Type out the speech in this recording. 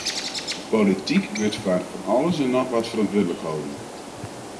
De polityk wurdt foar fan alles en noch wat ferantwurdlik holden.